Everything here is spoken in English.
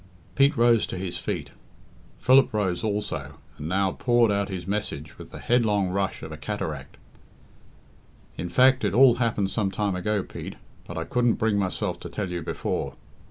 Pete rose to his feet. Philip rose also, and now poured out his message with the headlong rush of a cataract. "In fact, it all happened some time ago, Pete, but I couldn't bring myself to tell you before.